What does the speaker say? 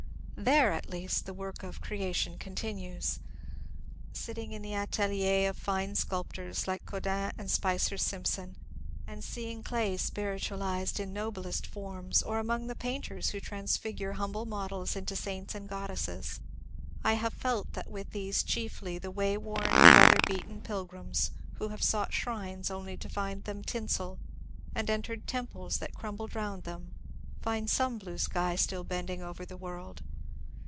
There at least the work of creation continues. Sitting in the atelier of fine sculptors, like Kodin and Spicer Sim son, and seeing clay spiritualized in noblest forms, or among the painters who transfigure humble models into saints and goddesses, I have felt that with these chiefly the wayworn, weatherbeaten pilgrims who have sought shrines only to find them tinsel, and entered temples that crumbled around them, find some blue sky still bending over the world.